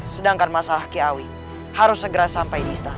sedangkan masalah kiawi harus segera sampai di istana